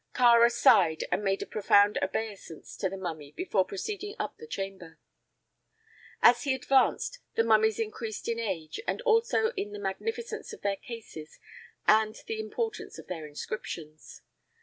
Kāra sighed and made a profound obeisance to the mummy before proceeding up the chamber. As he advanced, the mummies increased in age and also in the magnificence of their cases and the importance of their inscriptions.